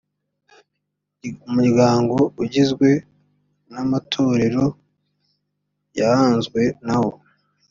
umuryango ugizwe n amatorero yahanzwe nawo